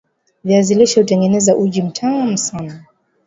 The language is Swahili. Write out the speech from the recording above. Viazi lishe hutengeneza uji mtamu sana